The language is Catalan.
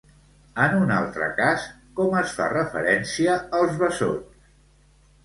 En un altre cas, com es fa referència als bessons?